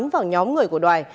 bắn vào nhóm người của đoài